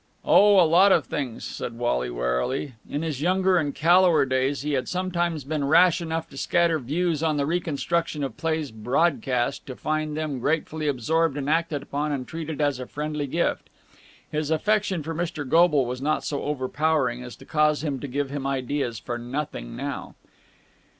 "Oh, a lot of things," said Wally warily. In his younger and callower days he had sometimes been rash enough to scatter views on the reconstruction of plays broadcast, to find them gratefully absorbed and acted upon and treated as a friendly gift. His affection for Mr. Goble was not so overpowering as to cause him to give him ideas for nothing now.